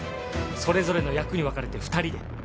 それぞれの役に分かれて２人で。